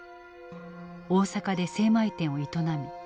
大阪で精米店を営み